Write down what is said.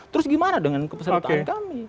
terus gimana dengan kepesertaan kami